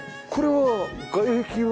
これは外壁は。